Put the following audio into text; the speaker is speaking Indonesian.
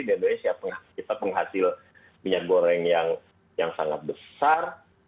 dengan doanya kita penghasil minyak goreng yang sangat besar